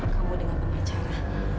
kamu dengan pembacara